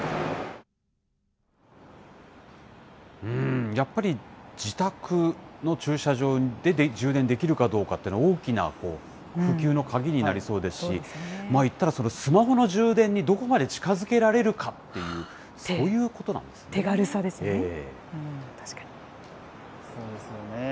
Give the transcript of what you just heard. うーん、やっぱり自宅の駐車場で充電できるかどうかっていうのは、大きな普及の鍵になりそうですし、いったら、スマホの充電にどこまで近づけられるかっていう、そういうことな手軽さですね。